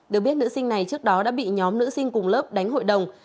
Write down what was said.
được biết nữ sinh này trước đó đã bị nhóm nữ sinh cùng lớp đánh hội đồng